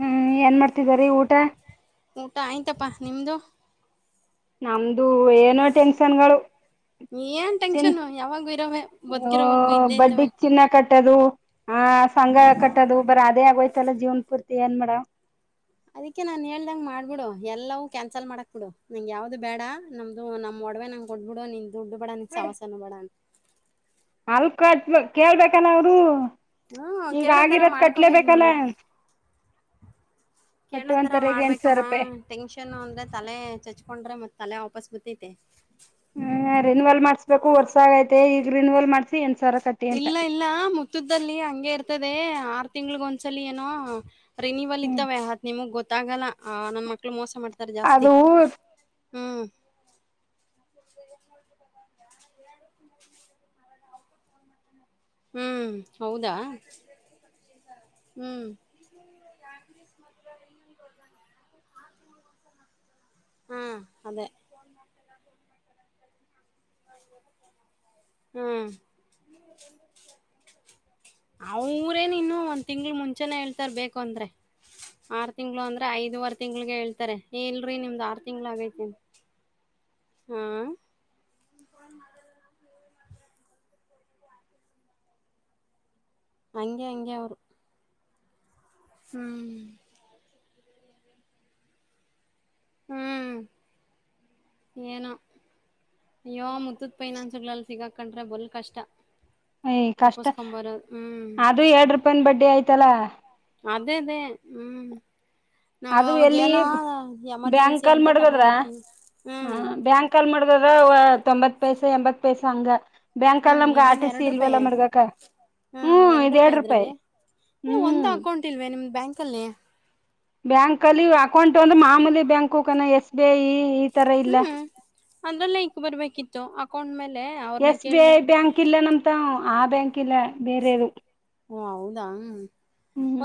ಹ್ಮ್ ಏನ್ ಮಾಡ್ತಿದಾರೀ ಊಟ ಊಟ ಆಯ್ತಪ್ಪಾ ನಿಮ್ದು ನಮ್ದು ಏನೋ ಟೆನ್ಷನ್ಗಳು ಏನ್ ಚಿನ್ ಟೆನ್ಷನ್ ಯಾವಾಗು ಇರೋ ಬದುಕಿರೋವರ್ಗೂ ಇದ್ದೇ ಇತವೆ ಹ ಸಂಘ ಕಟ್ಟದು ಅದ್ ಅದೇ ಆಗೋಯತಲ್ಲ ಜೀವನ್ ಪೂರ್ತಿ ಏನ್ ಮಾಡ್ಮ ಅದಿಕ್ಕೆ ನಾನ್ ಹೇಳ್ದಂಗ ಮಾಡ್ಬಿಡು ಎಲ್ಲವೂ ಕ್ಯಾನ್ಸಲ್ ಮಾಡಕ್ ಬಿಡು ನಂಗೆ ಯಾವ್ದು ಬೇಡ ನಮ್ದು ನಮ್ ಒಡವೆ ನಂಗ್ ಕೊಟ್ಟ ಬೇಡು ನಿ ದುಡ್ಡು ಬೇಡ ಅವನ್ ಸವಾಸನು ಬೇಡ ಅಲ್ ಕಟ್ ಕೇಳ್ಬೇಕಾನ ಅವರು ಹ್ಮ ಈಗ ಕೇಳತರ ಆಗಿರೋದ್ ಮಾಡ್ಕೋಬೇಕೇ ಕಟ್ಲೇಬೇಕಲ್ಲ ನೀನು ಕಟ್ಟು ಕೇಳತರ ಅಂತಾರೆ ಈಗ ಎಂಟ ಸಾವಿರ ಮಾಡ್ಬೇಕಮ್ಮ ರೂಪಾಯಿ ಟೆನ್ಷನ್ ಅಂದ್ರೆ ತಲೆ ಚಚ್ಕೊಂಡ್ರೆ ಮತ್ತೆ ತಲ್ಲ ಆಪಸ್ ಮತೆ ಹ್ಮ್ ರಿನ್ವೆಲ್ ಮಾಡ್ಸ್ಬೇಕು ವರ್ಸ ಆಯ್ತು ಈಗ್ರೀನ್ ವಲ್ ಮಾಡ್ಸ ಇಲ್ಲ ಇಲ್ಲ ಮುತ್ತುದ್ದಲ್ಲಿ ಹಂಗೆ ಇರ್ತ ಆರ್ತದೆ ಆರು ತಿಂಗಳಗ ಒಂದ್ಸಲ ಏನೋ ರಿ ನೀವಲ್ ಹ್ಮ್ ಇತ್ತವೆತ್ ನಿಮಗ ಗೊ ಗತ್ತಾಗಲ್ಲ ನನ್ ಮಕ್ಳ ಮೋಸ ಮಾಡ್ತಾರೆ ಜಾಸ್ತಿ ಅದು ಹ್ಮ್ ಹ್ಮ್ ಹೌದಾ ಹ್ಮ್ ಹಾ ಅದೇ ಹಾ ಅವರೇನ ಇನ್ನು ಒಂದ್ ತಿಂಗ್ಳ ಮುಂಚೆನ ಹೇಳ್ತಾರ ಬೇಕು ಅಂದ್ರೆ ಆರು ತಿಂಗಳ ಅಂದ್ರೆ ಐದುವರೆ ತಿಂಗ್ಳಿಗೆ ಹೇಳ್ತಾರೆ ಇಲ್ರರಿ ನಿಮ್ದ್ ಆರು ತಿಂಗಳ ಆಗೇತಿ ಅಂತ ಹಾ ಹಂಗೆ ಹಂಗೆ ಅವರು ಹ್ಮ್ ಹ್ಮ್ ಏನೋ ಅಯ್ಯೋ ಮುತ್ತದ್ ಫೈನಾನ್ಸ್ಗಳಲ್ಲಿ ಸಿಗಾಕಟ್ರೆ ಬಲ್ ಕಷ್ಟ ಕಷ್ಟ ತಪ್ಪಸ್ಕೊ ಬರದು ಹ್ಮ್ ಅದು ಎರಡ್ ರೂಪಾಯನ್ ಬಡ್ಡಿ ಆಯ್ತಲ್ಲ ಅದೇ ಅದೇ ಹ್ಮ್ ಹ [unintelligible] ನಾವ ಅದು ಎಲ್ಲಿ ಅವಾಗೇಏನ ಎಮರ್ಜೆನ್ಸಿ ಬ್ಯಾಂಕಲ್ ಅಂತ ಮಡ್ಗದ್ರ ತಗೊಂಡಿರ್ತೀವಿ ಹ ಹ್ಮ್ ಬ್ಯಾಂಕ್ ಅಲ್ಲಿ ಮಾಡಡಗದ್ರ ತೊಂಬತ್ ಎ ಪೈಸಾ ಎಂಬತ್ತು ಪೈಸಾ ಅಂಗ ಹ್ಮ್ ಇದ್ರಲ್ಲಿ ಎರಡು ರೂಪಾಯ ಹ್ಮ್ ಎರಡು ರೂಪಾಯಿ ಇದ್ರಲ್ಲಿ ಒಂದ ಹ್ಮ್ ಅಕೌಂಟ್ ಇಲ್ವ ನಿಮ್ದ್ ಬ್ಯಾಂಕ್ ಕಲ್ಲಿ ಬ್ಯಾಂಕ್ ಅಲ್ಲಿ ಅಕೌಂಟ್ ಒಂದು ಮಾಮೂಲಿ ಬ್ಯಾಂಕು ಕನ ಎಸ್ ಬಿ ಐ ಈ ತರ ಇಲ್ಲ ಹ್ಮ್ ಅದ್ರಲ್ಲೆ ಇಕ್ ಬರ್ಬೇಕಿತ್ ತ್ತು ಅಕೌಂಟ್ ಮೇಲ್ ಎಸ್ ಬಿ ಐ ಬ್ಯಾಂಕ್ ಇಲ್ಲ ನಮ್ ತಾವ್ ಆ ಬ್ಯಾಂಕ್ ಕಿಲ್ಲ ಬೇರೆದು ಹೋ ಹೌದಾ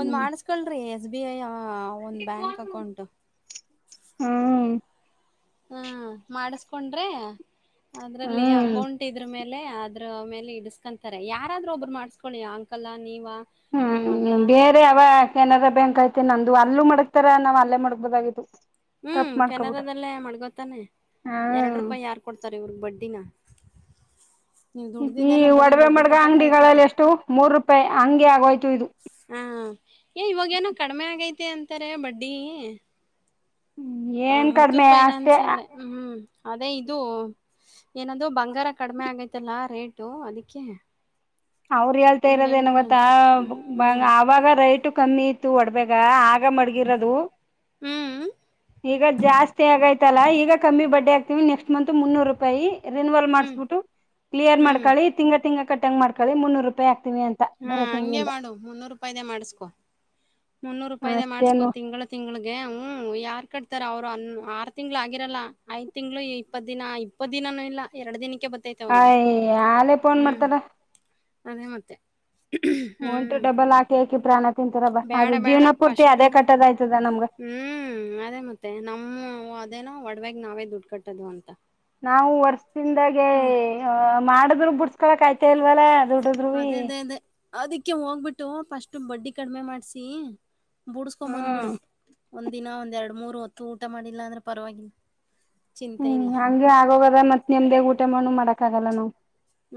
ಒಂದ್ ಮಾಡಸ್ಕಳ್ರಿ ಎಸ್ ಬಿ ಐ ಆ ಹಾಂ ಒಂದು ಬ್ಯಾಂಕ್ ಅಕೌಂಟು ಹ್ಮ ಹ್ಮ ಮಾಡಿಸ್ಕೊಂಡ್ರಿ ಅದ್ರಲ್ಲಿ ಹ್ಮ್ ಅಕೌಂಟ್ ಇದ್ರಮೇಲ್ ಲೆ ಅದ್ರ ಮೇಲೆ ಇಡಿಸ್ಕಂತಾರೆ ಯಾರಾದ್ರೂ ಒಬ್ರು ಮಾಡ್ಸ್ಕೊಳ್ಳಿ ಅಂಕಲ್ ಆ ನೀವ ನಿಮ್ ಮಗಳ ಹ್ಮ್ ಬೇರೆ ಅವ ಕೆನರಾ ಬ್ಯಾಂಕ್ಯ್ತ ತ್ತೆ ನಂದು ಅಲ್ಲೂ ಮಡಗ್ತಾರ ನಾವ್ ಅಲ್ಲೇ ಮಾಡಡಗ್ಬೋದಾಗಿತ್ತು ಹ್ಮ್ ಕೆನರಾದಲ್ಲೇ ಮಡ್ಗೋತಾನೆ ಹಾ ಎರಡ್ ರೂಪಾಯಿ ಯಾರ್ ಕೊಡ್ತಾರ ಇವ್ರಗ್ ಬಡ್ಡಿನ ನೀವ್ ಈ ದುಡ್ದಿದ್ದಲ್ಲ ಬರಿ ಒಡವೆ ಬಡ್ಡಿ ಮಡ್ಗ ಕಟ್ಟಕ್ ಆಯಿತೈತೆ ಅಂಗಡಿಗಳಲ್ಲಿ ಎಷ್ಟು ಮೂರು ರೂಪಾಯಿ ಹಂಗೆ ಆಗೋಯ್ತು ಇದು ಹ ಏ ಇವಾಗ ಏನೋ ಕಡಿಮೆ ಆಗೈತ್ ತ್ತೆ ಅಂತಾರೆ ಬಡ್ಡಿ ಹ ಏನ್ ಕಡಿಮೆ ಮುುತ್ತೂದ ಅಷ್ಟೇ ಫೈನಾನ್ಸ್ ಅಲ್ಲೇ ಹ್ಮ್ ಅದೇ ಇದು ಏನಾದೂ ಬಂಗಾರ ಕಡಿಮೆ ಆಗೈತಲ್ಲ ರೇಟು ಅದಕ್ಕೆ ಅವ್ರ ಹೇಳ್ತಾ ಹಂಗ ಇರೋದು ಏನು ಹೇಳ್ತಾರ ಗೊತ್ತಾ ಹ್ಮ್ ಅವಾಗ ರೇಟು ಕಮ್ಮಿ ಇ ತೂ ವಡ್ವೇಗ ಆಗ್ ಆ ಮಾಡ್ಗಿರೋದು ಹ್ಮ್ ಹ್ಮ್ ಈಗ ಜಾಸ್ತಿ ಆಗೈತ್ ತಲ್ಲ ಈಗ ಕಮ್ಮಿ ಬಡ್ಡಿ ಆಗ್ ನೆಕ್ಸ್ಟ್ ಮಂತ್ ಮುನ್ನೂರು ರೂಪಾಯಿ ರಿನ್ವಲ್ ಹ್ಮ್ ಮಾಡಿಸ್ಬಿಟ್ಟು ಕ್ಲಿಯರ್ ಹ್ಮ್ ಮಾಡ್ಕೊಳ್ಳಿ ತಿಂಗ ತಿಂಗ್ಳ್ ಕಟ್ಟಂಗ ಮಾಡ್ಕೊಂಡಿ ರೂಪಾಯ ಹಾ ಹಂಗೆ ಮಾಡು ಮುನ್ನೂರು ರೂಪಾಯ್ದೇ ಮಾಡಸ್ಕೊ ಮುನ್ನೂರು ರೂಪಾಯ್ದ ಮಾಡ್ಸ್ಕೋ ಅಷ್ಟೇನು ತಿಂಗಳ ತಿಂಗಳಿಗೆ ಹ್ಮ್ಮ್ ಯಾರ್ ಕಟ್ ಅವ್ರು ಅ ಆರು ತಿಂಗ್ಳ ಆಗಿರಲ್ಲ ಐದ ತಿಂಗಳು ಇಪ್ಪತ್ ದಿನ ಇಪ್ಪತ್ ದಿನಾನ ಇಲ್ಲ ಎರಡು ದಿನಕ್ಕೆ. ಬತ್ತೈತೆ ಅವ್ರಿಗೆ ಆಯ್ ಯಾಲೇ ಫೋನ್ ಹ್ಮ್ ಮಾಡ್ತಾರ ಅದೇ ಮತ್ತೆ ಒಂಟು ಹ್ಮ್ ಡಬ್ಬಲ್ ಹಾಕಿ ಹಾಕಿ ಪ್ರಾಣ ತಿಂತಾರಬ್ಬ ಅದು ಬೇಡ ಬೇಡ ಜೀವನ ಪೂರ್ತಿ ಫಸ್ಟು ಅದೇ ಕಟ್ಟೋದಾಯ್ತದ ನಮ್ಗ ಹ್ಮ್ ಅದೇ ಮತ್ತೆ ನಮ್ಮ. ಅದೇನೋ ಒಡವೆಯಗ ನಾವೇ ದುಡ್ಡು ಕಟ್ಟದು ಅಂತ. ನಾವು [inaudible] ಜಿಂದಾಗೆ ಹ್ಮ ಮಾಡಿದ್ರು ಬಸ್ಕೋಲಾತ್ತಿಲ್ಲ. ಮತ್ತೇಲ್ವಲ ದುಡ್ಡದ್ವಿ. ಅದೇ ಅದೇ ಅದೇ ಅದಕ್ಕೆ ಹೋಗ್ಬಿಟ್ಟು ಫಸ್ಟು ಬಡ್ಡಿ ಕಡಿಮೆ ಮಾಡ್ಸಿ. ಹ್ಮ್ ಬೂಡ್ಸಕೋಮನ್ಬಡು. ಒಂದಿನ ಒಂದ್ ಎರಡು ಮೂರು ಹೊತ್ತು ಊಟ ಮಾಡಿಲ್ಲ ಅಂದ್ರೆ ಪರವಾಗಿಲ್ಲ. ಚಿಂತೆ ಹ್ಮ್ ಇಲ್ಲ ಹಂಗೆ ಆಗೋಗದ ಮತ್ ನಿಮ್ದೇ ಊಟ ಮಣ್ಣು ಮಾಡಕ್ ಆಗಕ [unintelligible] ಹ್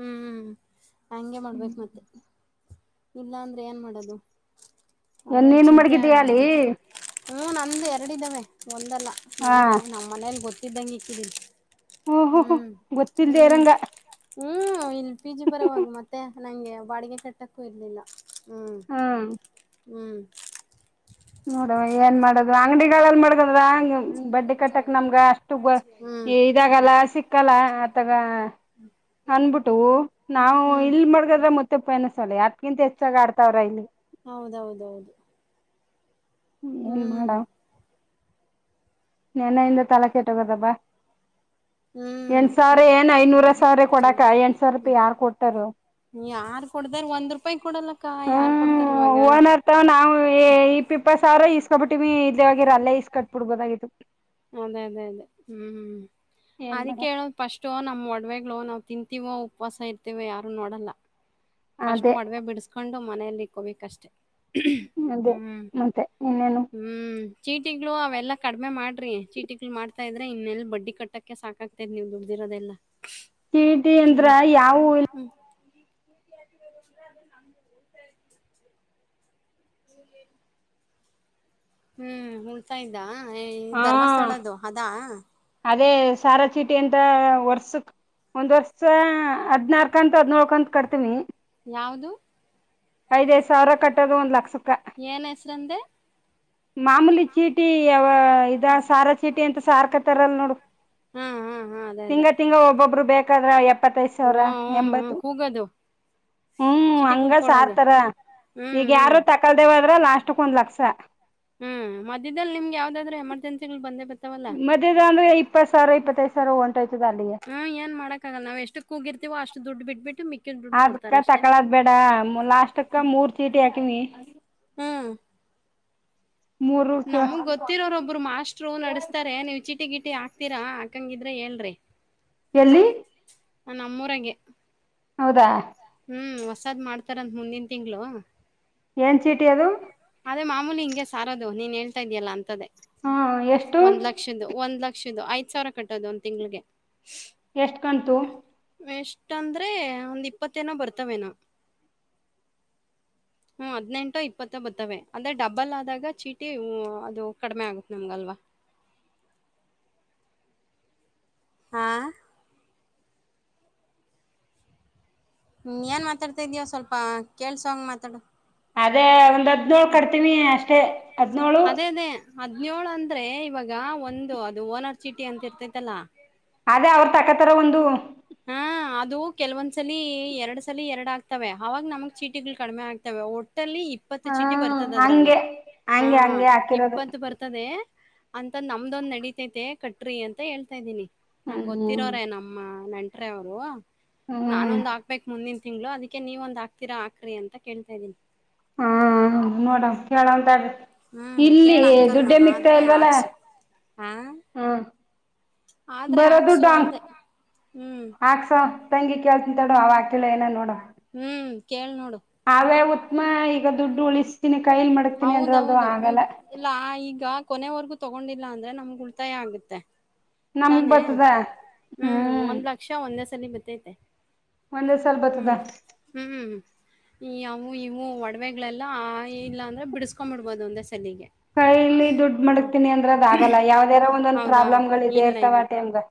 ಹಂಗೆ ಹ್ಮ್ ಮಾಡ್ಬೇಕ ಮತ್ತೆ. ಇಲ್ಲ ಅಂದ್ರೆ ಏನ್ ಮಾಡದು. ಎ ಅದೊಂದು ನೀನು ಚಿಂತೆ ಮಡಗಿದೀಯ ಅಲ್ಲಿ ಆಗ್ಬಿಡ್ತತಿ ಹೂ ನಂದು ಎರಡಿದ್ದಾವೆ ಒಂದಲ್ಲ ಹಾ ನನ್ನವು ನಮ್ಮ ಮನೇಲಿ ಗೊತ್ತ. [unintelligible] ಹ್ಮ ಹ್ಮ ಹ್ಮ ಹ್ಮ್ ಗೊತ್ತಿಲ್ದೇ ಹ್ಮ್ ಇರಂಗ ಹ್ಮ್ ಇಲ್ಲಿ ಪಿ ಜಿ ಬರಬಹುದು ಮತ್ತೆ. ನಂಗೆ ಬಾಡಿಗೆ ಕೆಟ್ಟಕ. ಕೂ ಇರಲಿಲ್ಲ. ಹ್ಮ ಹ್ಮ್ ನೋಡ ಏನ್ ಮಾಡುದ ಅಂಗಡಿ ಮಾಡಿಗಿದ್ರಾ ಬಡ್ಡಿ ಕಟ್ಟಕ್ ನಮ್ಗ ಅಷ್ಟು ಹ್ಞೂ ಇದಾಗಲ್ಲ ಸಿಕ್ಕಲ್ಲ ಅತಗ ಅನ್ಬಿಟ್ಟು ನಾವು ಹ್ಞೂ ಇಲ್ ಮಾಡಗದ್ರ ಮತ್ತೆ ಫೈನಾನ್ಸ್. ಅದಕ್ಕಿಂತ ಹೆಚ್ಚಾಗ ಆಡ್ತಾವ್ರ ಇಲ್ಲಿ. ಹೌದೌದೌದು ಹ್ಮ ಏನ್ ಹ್ಞೂ ಮಾಡವ ನಿನ್ನೆಯಿಂದ ತಲೆ ಕೆಟ್ಟೋಗದಬಾ ಎಂಟ ಹ್ಞೂ ಸಾವಿರ ಏನ್ ಐನೂರ ಸಾವಿರ ಕೊಡಾಕ ಚೆನ್ನಾಗಿ ಎಂಟ ಸಾವಿರ ರೂಪಾಯಿ ಯಾರು ಕೊಟ್ಟಾರು ಯಾರು ಕೊಡ್ದಾರ ಒಂದು ರೂಪಾಯಿ ಕೊಡಲ್ಲಕ್ಕ ಯಾರು ಕೊಡ್ತಾರೆ ಹ್ಮ್ ಇವಾಗ ಓನರ್ ತವ ನಾವು ಇಪ್ಪಿಪ್ಪ ಸಾವ್ರ ಇಸ್ಕೊಬಿಟ್ಟಿವವಿ ಇದಗರಲ್ಲೇ ಈಸ್ಕಟ್ಬಿಡ್ಬೋದಾಗಿ. [unintelligible] ಅದೇ ಅದೇ ಅದೇ ಹ್ಮ್. ಏನ್ ಮಾಡ ಅದಕ್ಕೆೇಳ್ ಫಸ್ಟು ನಮ್ಮ ಒಡ [unintelligible] ನಾವ ತಿಂತೀವೋ ಉಪವಾಸ ಇರ್ತೇವೋ ಯಾರು ನೋಡಲ್ಲ. ಫಸ್ಟ್ ಅದೇ ಒಡವೆ ಬಿಡಿಸಸ್ಕೊಂಡ್ ಮನೆಯಲ್ಲಿ ಕೋಬೇಕಿಕ್ ಅಷ್ಟೇ ಅದೇ ಮತ್ತೆ ಇನ್ನೇನು ಹ್ಮ್ ಚೀಟಿಗಳು ಅವೆಲ್ಲ ಕಡಿಮೆ ಮಾಡ್ರಿ ಚೀಟಿಗಳು ಮಾಡ್ತಾ ಇದ್ರೆ ಇನ್ನೆಲ್ಲ ಬಡ್ಡಿ ಕಟ್ಟೋಕ್ಕೆ ಸಾಕಾಗ್ತರಿ ನೀವು ದುಡ್ದಿರೋದೆಲ್ಲ ಚೀಟಿ ಅಂದ್ರ ಹ್ಮ್ ಯಾವವು ನ [inaudible] ಹ್ಮ ಹ್ಮ್ ಹುಳ್ತಾ ಇದ್ದಾ ಹಾ ಅದೇ ಸಾರಾ ಚೀಟಿ ಎಂತ ವರ್ಷ ಒಂದ್ ವರ್ಷ ಹದಿನಲ್ಕು ಕಕಂತ ಅದ್ ನೋಡ್ಕಂತತ್ ಕರ್ತಮಿ ಯಾವುದು ಐದೈದು ಸಾವಿರ ಕಟ್ಟೋದು ಒಂದ್ ಲಕ್ಷ ಸಕ್ಕ ತಂದೆ ಮಾಮೂಲಿ ಚೀಟಿ ಯ ಇದ ಸಾರಾ ಚೀಟಿ ಅಂತ ಸಾರ್ಕತಾರಲ್ಲ ನೋಡು ಹಾ ಹಾ ಹಾ ಅದೇ ಅದೇ ತಿಂಗ ತಿಂಗ ಒಬ್ಬೊಬ್ರು ಬೇಕಾದ್ರ ಎಪ್ಪತ್ತೈದು ಓ ಸಾವಿರ ಎ ಹ್ಮ್ ಹ್ಮ್ ಕೂಗೋದು ಹ್ಮ್ ಚೀಟಿ ಹಂಗ ಕುಡ್ಕೊಳೋದು ಸಾರ್ತರ ಹ್ಮ್ ಈಗ ಯಾರು ಹ್ಮ್ ತಕಲ್ದೇವದ್ರ ಲಾಸ್ಟ್ಕ್ ಒಂದ್ ಲಕ್ಷ ಸಾ ಹ್ಮ್ ಮದ್ದದಲ್ಲಿ ನಿಮ್ಗೆ ಯಾವ್ದಾದ್ೂ ಎಮರ್ಜೆನ್ಸಿ ಗಳು ಬಂದ ಬ ಮಧ್ಯೆದ ಇಪ್ಪತ್ತು ಸಾವರ ಇಪ್ಪತ್ತ ಐದು ಸಾವರ ಒನ್ ಟಯತಲ್ಲಿಯ ಕಗಿರ್ತಿವ ಅಷ್ಟ ದುಡ್ಡು ಬಿಟ್ಟಬಟ್ಟು ಅದಕ್ಕ ತಕಳದ್ ಬೇಡ ಲಾಸ್ಟಕ್ಕ ಮೂರ್ ಚೀಟಿ ಹಾಕಿನಿ ಹ್ಮ್ ಮೂರು ನಮಗ್ ಗೊತ್ತಿರೋರೊ ಒಬ್ರು ಮಾಸ್ರು ನಡಸ್ತಾರೆ ನೀವ್ ಚೀಟಿ ಗಿಟಿ ಹಾಕ್ತೀರಾ ಹಕ್ಕಂಗಿದ್ರೆ ಹೇಳ್ರಿ ಎಲ್ಲಿ ನಮ್ಮೂರಗೆ ಹೌದಾ ಹ್ಮ್ ಹೊಸಾದ್ ಮಾಡ್ತಾರಂದ ಮುಂದಿನ ತಿಂಗಳು ಏನ್ ಚೀಟಿ ಅದು ಅದೇ ಮಾಮೂಲಿ ಹಂಗೆ ಸಾರೋದು ನೀನ್ ಹೇಳ್ತಾ ಇದೀಲ್ಲ ಅಂತದೇ ಹ್ಮ ಎಷ್ಟು ಒಂದ್ ಲಕ್ಷಂದು ಒಂದ್ ಲಕ್ಷ ಲ ಐದ್ ಸಾವಿರ ಕಟ್ಟೋದು ಒಂದು ತಿಂಗಳಿಗೆ ಎಷ್ಟು ಕಣಂತು ಬಿಟ್ಟಂದ್ರೆ ಒಂದ್ ಇಪ್ಪತ್ತೇನೋ ಬರ್ತವೇ ನ ಹ್ಮ ಹದ್ಿನೆಂಟ ಇಪ್ಪತ್ತ ಬರ್ತ್ತವೆ ಅದ್ರ ಡಬ್ಬಲ್ ಆದಾಗ ಚೀಟಿ ಅದು ಕಡಿಮೆ ಆಗತ್ ನಂಗಗೆಲ್ವಾ ಹಾ ಏನ್ ಮಾತಾಡ್ತಾ ಇದೀವ ಸ್ವಲ್ಪ ಕೇಳಳ್ಸ ಹಂಗೆ ಮಾತಾಡ ಅದೇ ಒಂದ್ ಹದ್ಿನೋಳ್ು ಕಟ್ತೀವಿ ಅಷ್ಟೇ ಹದ್ಿನೋಳು ಹದಿನಳ್ು ಅಂದ್ರೆ ಇವಾಗ ಒಂದು ಅದು ಓನರ್ ಚೀಟಿ ಅಂತ ಇರ್ತೈತಲ್ಲ ಅದೇ ಅವ್ರ ತಕ್ಕತರ ಒಂದು ಹಾ ಅದು ಕೆಲವೊಂದ್ಸಲಿ ಎರಡ್ ಸಲಿ ಎರಡು ಆಗ್ತವೆ ಅವಾಗ ನಮಗ್ ಚೀಟಿಗಳು ಕಡಿಮೆ ಆಗ್ತವೆ ಒ ಟ್ಟಲ್ಲಿ ಇಪ್ಪತ್ತು ಹಾ ಚೀಟಿ ಬರ್ತದೆ ಅದ್ರಲ್ಲಿ ಹಂಗೆ ಹಾ ಹಂಗೆ ಹಂಗೆ ಹಾಕಿರೋದು ಇಪ್ಪತ್ತು ಬರ್ತದೆ ಅಂತ ನಮ್ದೊಂದ್ ನಡಿತೇೈತೆ ಕಟ್ರಿ ಅಂತ ಹೇಳ್ತಾ ಇದ್ದೀನಿ ನಂಗ ಹ್ಮ್ ಗೊತ್ತಿರೋರೇ ನಮ್ಮ ನಂ ಅವರು ಹ್ಮ್ ನಾನೊಂದ್ ಹಾಕ್ಬೇಕಕ್ ಮುಂದಿನ ತಿಂಗಳು ಅದಕ್ಕೆ ನೀವ ಒಂದ್ ಹಕ್ತೀರಾ ಹಾಕ್ರಿ ಅಂತ ಕೇಳ್ತಾ ಇದೀನಿ ಹಾ ನೋಡ ಕೇಳೋಂತ ಆಗ ಹ್ಮ್ ಕೇಳ ಅಂಕಲ್ ನ ಆದ್ರೆ ಆಾಕ್ಸಕ್ ಹಾ ಹಾ ಆದ್ರೆ ಹಾಕ್ಸು ಒಂದ ಹ್ಮ್ ಹಾಕ್ಸ ತಂಗಿ ಕೇಳ್ತಂತಡು ಅವ ಆಾಕಲ್ಲ ಏನ ನೋಡು ಹ್ಮ್ ಕೇೇಳ ನೋಡು ್ಮ ಈಗ ದುಡ್ಡು ಉಳಿಸ್ತೀನಿ ಕೈಲ್ ಮಡಗ್ತೀನಿ ಅಂದ್ರ ಅದು ಹೌದೌದು ಆಗಲ್ಲ ಇಲ್ಲ ಈಗ ಕೊನೆವರ್ಗೂ ತ ತಗೊಂಡಿಲ್ಲ ಅಂದ್ರೆ ನಮ್ಗ್ ಉಳಿತಾಯ ಆಗುತ್ತೆ ನಮ್ಗ್ ತಾನೇ ಬತದ ಹ್ಮ್ ಚಲಿ ಬತೇತೆ ಒಂದೇ ಸಲ್ ಬರ್ತದ ಹ್ಮ್ ಹ್ಮ್್ಮ ಈಯವ್ ಇವು ಒಡ್ವೇಗಳೆಲ್ಲ ಇಲ್ಲ ಅಂದ್ ರೆ ಬಿಡ್ಸ್ಕೊಂಬಿಡ್ಬದು ಒಂದೇ ಸ ಕೈಲ್ಲಿ ದುಡ್ ಮಡಕ್ತೀನಿ ಅಂದ್ರದಾಗಲ್ಲ ಯಾವ್ದಾರು ಒಂದೊಂದ್ ಹೌದಾ ಪ್ರಾಬ್ಲಮ್ಗಳಿದ್ದೇ ಇಲ್ಲ ಇರ್ತವಾ ಇಲ್ಲ ಟೇಮ್ಗ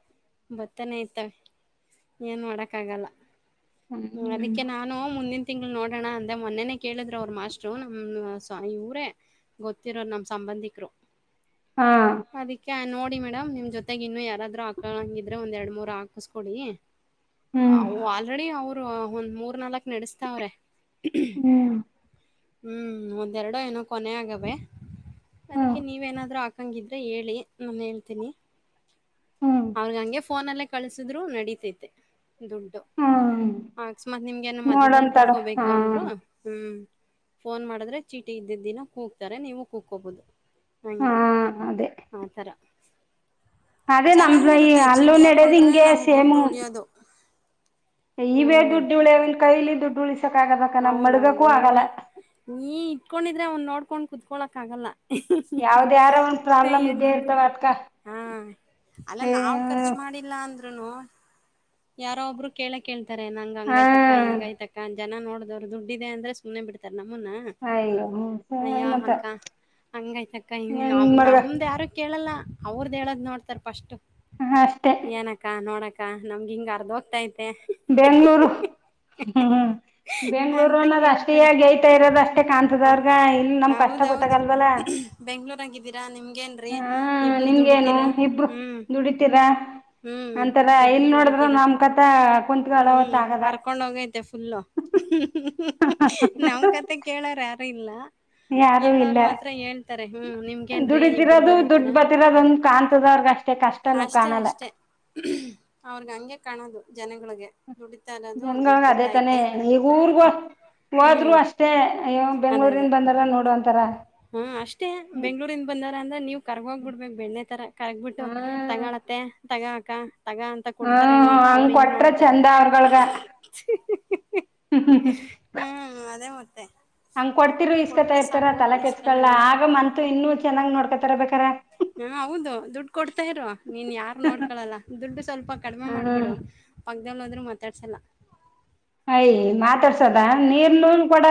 ಏನ್ಮಾಡಕ್ಕಾಗಲ್ಲ ಹ್ ಹ್ಮ್ ಅದಿಕ್ಕೆ ನಾನು ಮುಂದಿನ್ ತಿಂಗಳು ನೋಡೋಣ ಅಂದೆ ಮೊನ್ನೆನೆ ಕೇಳಿದ್ರು ಅವ್ರ್ ಮಾಸ್ಟ್ರು ನಮ್ ಸ್ ಇವ್ರೇ ಗೊತ್ತಿರೋ ನಮ್ ಸಂಬಂಧಿಕ್ರು ಹಾ ಅದಿಕ್ಕೆ ನೋಡ್ ನ್ನಿ ಮೇಡಮ್ ನಿಮ್ ಜೊತೆಗಿನ್ನು ಯಾರಾದ್ರು ಹಾಕಳಂಗಿದ್ರೆ ಒಂದ ಎರಡ್ಮೂರು ಹಾಕುಸ್ಕೊಡಿ ಹ್ಮ್ ಅವ್ ಆಲ್ರೆಡಿ ಅವ್ರು ಒಂದ್ ಮೂರ್ ನಾಲಕ್ ನಡೆಸ್ತಾವ್ರೆ ಹ್ಮ್ ಹ್ಮ್ ಒಂದ್ ಎರಡೊ ಏನೋ ಕೊನೆ ಆಗವೆ ಹ್ಮ್ ಅದಕ್ಕೆ ನೀವೇನಾದ್ರು ಆಕ್ ಕ್ಕಂಗಿದ್ರೆ ಹೇಳಿ ನಾನೇಳ್ತೀನಿ ಹ್ಮ್ ಅವ್ರ್ಹಂಗೆ ಫೋನಲ್ಲೆ ಕಳ್ಸುದ್ರು ನಡೀತೈತೆ ದುಡ್ಡು ಹ್ಮ್ ಅಕಸ್ಮಾತ್ ನಿಮ್ಗೆನು ನೋಡಮ್ ಮಧ್ಯದಲ್ಲಿ ತಡೋ ಹಾ ಕೂಕ್ಕೊಂಬೇಕು ಅಂದ್ರು ಹ್ಮ್ ಫೋನ್ ಮಾಡುದ್ರೆ ಚೀಟಿ ಇದ್ದಿದ್ದಿನ ಕೂಗ್ತಾರೆ ನೀವು ಕೂಕ್ಕೋಬೋದು ಹಾ ಹಂಗೆ ಅದೇ ಆತರ ಅದೇ ನಮ್ದ್ರಲ್ಲಿ ಅಲ್ಲೂ ಚೀಟಿ ಹಾಕೊಂಡ್ರೆ ನಡದಿಂಗೆ ನಮ್ಗ್ ದುಡ್ಡು ಸೇಮು ಉಳಿಯೋದು ಇವೇ ಹ್ಮ್ ದುಡ್ಡುಳಿಯಲ್ ಇನ್ ಕೈಲಿ ದುಡ್ ಊಳಿಸ್ ಹೌದೌದು ನೋಯ್ ನೀ ಇಟ್ಕೊಂಡಿದ್ರೆ ಅವ್ನ್ ನೋಡ್ಕೊಂಡ್ ಕೂ ಕುತ್ಕೊಳಕ್ಕಾಗಲ್ಲ ಹಿ ಹ್ಹಿ ಯಾವ್ದ ಯಾರ ಒಂದ್ ಪ್ರಾಬ್ಲಮ್ ಇದ್ದೇ ಕೈಯಲ್ಲಿದ್ರೆ ಇರ್ತಾವ ಅದ್ಕ ಹಾ ಅಲ್ಲ ನಾವ್ ಖರ್ಚು ಹ್ಮ ಮಾಡಿಲ್ಲ ಅಂದ್ ಇದ್ರುನು ಯಾರೋ ಒಬ್ರು ಕೇಳ ಕೇಳ್ ತರೆ ನಂಗ ಹಂಗೈತಕ ಹಾ ಹಿಂಗೈತಕ್ಕ ಅಂತ ಜನ ನೋಡ್ ಅವ್ರ್ ದುಡ್ಡಿದೆ ಅಂದ್ರೆ ಸುಮ್ನೆ ಬಿಡ್ತಾರ್ ನಮ್ಮುನ್ನ ಅಯ್ಯೋ ಅಯ್ಯ ಮತ್ತ ಅಕ್ಕ ಹಂಗಾಯ್ತಕ್ಕ ಹಿಂಗ್ ಹೆಂಗ ನಮ್ ಮಾಡ್ಗ ನಮ್ದ್ಯಾರು ಕೇಳಲ್ಲ ಅವ್ರದ ಹೇಳದ್ ನೋಡ್ತಾರ ಪಸ್ಟ್ ಅಷ್ಟೆ ಏನಕ್ಕ ನೋಡಕ್ಕ ಅ ನಮ್ಗೆ ಹಿಂಗ ಅರ್ದ ಹೋಗ್ತಾೈತೆ ಬೆಂಗ್ಳೂರು ಹ್ಮ ಹ್ಮ ಬೆಂಗ್ಳೂರು ಅಂತ ಅನ್ನೋದ್ ಅಷ್ಟ ಈ ಕೇಳ್ತಾರೆ ಯತಾ ಇರೋದ ಅಷ್ಟೇ ಕಾಣ್ತದ ಹ ಅವ್ರಗ ಇಲ್ ನಮ್ ಕಷ್ಟ ಹೌದೌದು ಗೊತ್ತಾಗಲ್ವಲ್ಲ ಬೆಂಗ್ಳೂರಾಗಿದ್ದೀರಾ ನಿಮ್ಗೇನ್ರೀ ಹಾ ಇಬ್ಬರು ನಿಮ್ಗೇನು ದುಡಿತೀರಾ ಇಬ್ರು ಹ್ಮ್ ದುಡಿತೀರ ಹ್ಮ್ ಅಂತಾರ ಇಬ್ರು ಇಲ್ ನೋಡಿದ್ರ ದುಡಿತೀರಾ ನಮ್ ಕತ ಕುತ್ಗಳವತ್ ಹ್ಮ್ ಆಗದ ಅರ್ಕೊಂಡ್ ಹೋಗತಿ ತ್ತಫುಲ್ಲ ಹ್ಮ ನಾವ ಕತೆ ಕೇಳಾರ ಯಾರು ಇಲ್ಲ ಯಾರು ಏಳ್ ಅವ್ರ ಇಲ್ಲ ಮಾತ್ರ ಹೇಳ್ತಾರೆ ಹ್ಮ್ ನಿಮ್ಗೇನ್ರೀ ಇಬರು ದುಡಿತಿರೋದು ದುಡಿತೀರ ದುಡ್ ಬತಿರೋದ ಒಂದ ಕಾಣ್ತದವ್ರಗ ಅಷ್ಟೇ ಕಷ್ಟನು ಅಷ್ಟೇ ಕಾಣಲ್ಲ ಅಷ್ಟೆ ಅವ್ರಗ ಹಂಗೆ ಕಾಣೋದು ಜನಗಳಿಗೆ ದುಡಿತಾ ಅನ್ನೋದು ದುಡ್ಡು ಜನಗಳಗ ಅದೇ ತಾನೆ ಬತ್ತೈತೆ ಈಗ ಊರ್ಗೋ [inaudible] ಹೋದ್ರು ಹ್ಮ್ ಅಷ್ಟೇ ಅಯ್ಯೋ ಅದೇ ಅದೇ ಬೆಂಗ್ಳೂರಿಂದ ಬಂದಾರ ನೋಡು ಅಂತಾರ ಹ್ಮ್ ಅಷ್ಟೇ ಹ್ಮ್ ಬೆಂಗ್ಳೂರಿಂದ ಬಂದಾರ ಅಂದ್ರೆ ನೀವ್ ಕರ್ಗ ಹೋಗ್ಬ ಬಿಡ್ಬೇಕು ಬೆಣ್ಣೆ ತರ ಕರ್ಗ್ಬಿಟ್ಟು ತಗಳತ್ತೆ ತಗಅಕಾ ತಗ ಅಂತ ಕೊಡ್ತಾರೇನು ಹ್ಮ್ ಅಂತ ಅವ್ರ ಹಂಗ್ ಹಿಂಗ ಕೊಟ್ರ ನೋಡ್ತಾರೆ. ಚಂದ ಅವ್ರಗಳ್ಗ [unintelligible] ಹ್ಮ್ [unintelligible] ಅದೇ ಮತ್ತೆ ಹಂಗ ಕೊಡ್ತಿರು ಇಸ್ಕೊತಾ ಕೊಟ್ರೆ ಇರ್ತಾರ ಸಾಕು ತಲಾ ಕೆಟ್ಸ್ಕ ಇಸ್ಕಲಣ ಆಗ ಮಂತತ್ ಇನ್ನುೂ ಚೆನ್ನಾಗ್ ನೋಡ್ಕೊತಾರ ಬೇಕಾರ ಹ್ ಹೌದು ದುಡ್ಡು ಕೊಡ್ತಾ ಇರ ನೀನ್ ಯಾರು ನೋಡ್ಕೊಳಲ್ಲ ದುಡ್ಡು ಸ್ವಲ್ಪ ಕಡಿಮೆ ಮಾಡ್ಬಿಡು ಹ್ಮ್ ಇದಲ್ಲಾದರೂ ಮಾತಾಡ್ಸಲ್ಲ ಅಯ ಮಾತಾಡ್ಸದ ನೀರ್ ನೂ ಕೂಡ